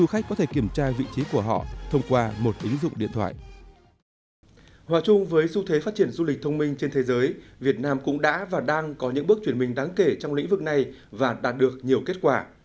hòa chung với xu thế phát triển du lịch thông minh trên thế giới việt nam cũng đã và đang có những bước chuyển mình đáng kể trong lĩnh vực này và đạt được nhiều kết quả